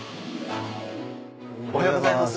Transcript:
おはようございます。